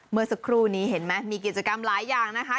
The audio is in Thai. เมื่อสักครู่นี้เห็นไหมมีกิจกรรมหลายอย่างนะคะ